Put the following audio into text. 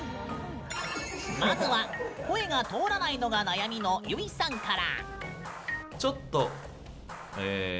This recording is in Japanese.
まずは声が通らないのが悩みのゆいさんから。